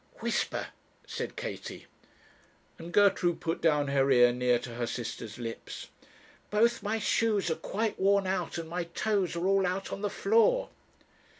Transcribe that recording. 'Whisper,' said Katie; and Gertrude put down her ear near to her sister's lips. 'Both my shoes are quite worn out, and my toes are all out on the floor.'